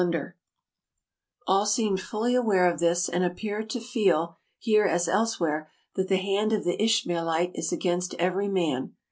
266 TRAVELERS AND EXPLORERS All seemed fully aware of this, and appeared to feel, here as elsewhere, that the hand of the Ishmaelite is against every man.